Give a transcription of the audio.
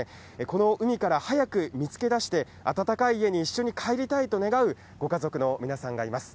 この海から早く見つけ出して、暖かい家に一緒に帰りたいと願うご家族の皆さんがいます。